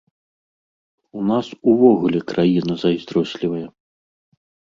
У нас увогуле краіна зайздрослівая.